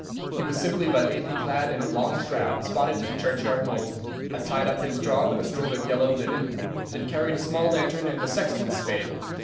He was simply but neatly clad in a long shroud, spotted with churchyard mould, had tied up his jaw with a strip of yellow linen, and carried a small lantern and a sexton's spade.